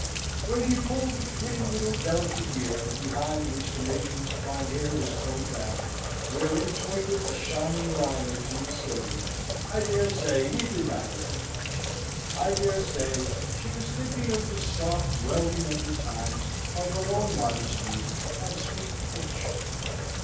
When he pulled the pretty little delicate ear, behind which the matron's fine hair was combed back, wherein twinkled a shining line or two of silver, I dare say he did not hurt her much. I dare say she was thinking of the soft, well remembered times of her own modest youth and sweet courtship.